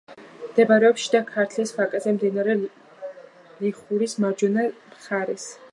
მდებარეობს შიდა ქართლის ვაკეზე, მდინარე ლეხურის მარჯვენა მხარეს.